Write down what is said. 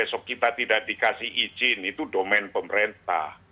besok kita tidak dikasih izin itu domen pemerintah